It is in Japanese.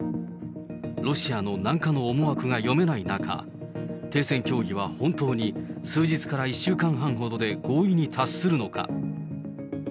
ロシアの軟化の思惑が読めない中、停戦協議は本当に数日から１週間ほどで合意に達するのか。